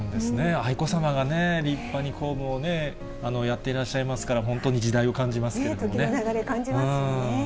愛子さまがね、立派に公務をやっていらっしゃいますから、時の流れ、感じますよね。